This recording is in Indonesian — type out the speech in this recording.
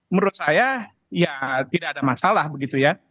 menurut saya ya tidak ada masalah begitu ya